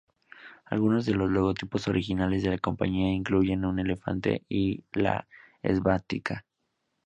Algunos de los logotipos originales de la compañía incluyen un elefante y la esvástica.